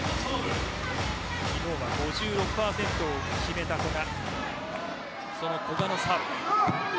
昨日は５６％を決めた古賀。